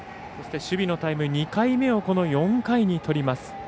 そして、守備のタイム２回目を４回にとります。